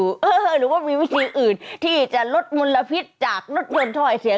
หรือว่ามีวิธีอื่นที่จะลดมลพิษจากรถยนต์ถ้อยเสีย